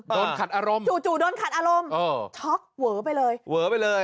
เปิ้ลขาดอารมณ์จู่โได้โทรคารกตท์อารมณ์